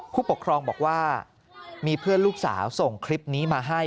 ผู้ปกครองบอกว่ามีเพื่อนลูกสาวส่งคลิปนี้มาให้